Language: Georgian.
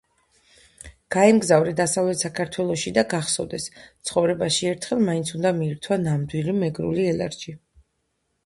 გაემგზავრე დასავლეთ საქართველოში და გახსოვდეს, ცხოვრებაში ერთხელ მაინც უნდა მიირთვა ნამდვილი მეგრული ელარჯი.